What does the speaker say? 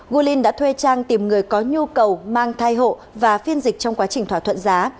go linh đã thuê trang tìm người có nhu cầu mang thai hộ và phiên dịch trong quá trình thỏa thuận giá